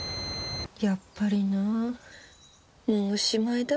やっぱりなもうおしまいだ。